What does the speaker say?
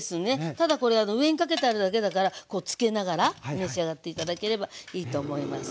ただこれ上にかけてあるだけだからこうつけながら召し上がって頂ければいいと思います。